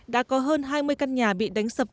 đã có hơn hai mươi căn nhà bị đánh sập